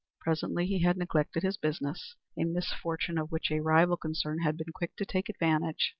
Presently he had neglected his business, a misfortune of which a rival concern had been quick to take advantage.